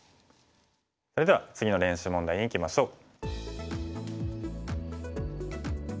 それでは次の練習問題にいきましょう。